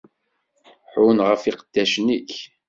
Ḥunn ɣef yiqeddacen-ik!